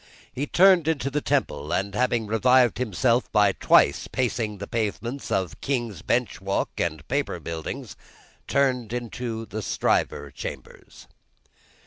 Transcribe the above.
He turned into the Temple, and, having revived himself by twice pacing the pavements of King's Bench walk and Paper buildings, turned into the Stryver chambers.